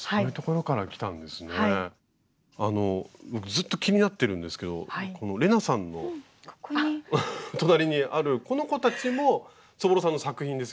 ずっと気になってるんですけど玲奈さんの隣にあるこの子たちもそぼろさんの作品ですよね。